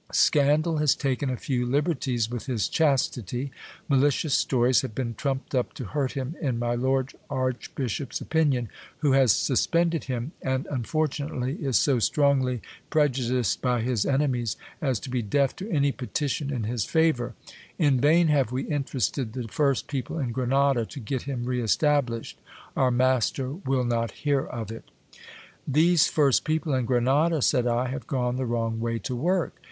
Scandal has taken 'a few liberties with his chastity. Malicious stories have been trumped up to hurt him in my lord arch bishop's opinion, who has suspended him, and unfortunately is so stronglv pre 232 GIL BLAS. judiced by his enemies, as to be deaf to any petition in his favour. In vain have we interested the first people in Grenada to get him re established ; our master will not hear of it These first people in Grenada, said I, have gone the wrong way to work.